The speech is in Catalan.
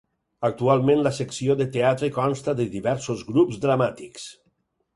Actualment, la secció de teatre consta de diversos grups dramàtics.